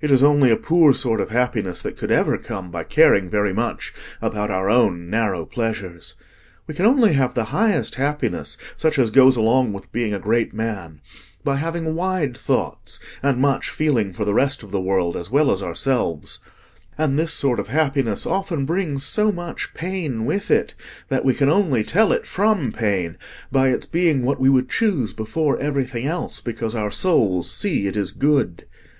It is only a poor sort of happiness that could ever come by caring very much about our own narrow pleasures. We can only have the highest happiness, such as goes along with being a great man, by having wide thoughts, and much feeling for the rest of the world as well as ourselves; and this sort of happiness often brings so much pain with it, that we can only tell it from pain by its being what we would choose before everything else, because our souls see it is good.